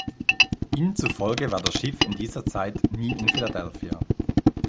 Ihnen zufolge war das Schiff in dieser Zeit nie in Philadelphia.